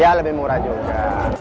ya lebih murah juga